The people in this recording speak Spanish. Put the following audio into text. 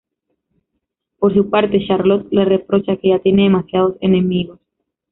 Por su parte, Charlotte le reprocha que ya tiene demasiados enemigos.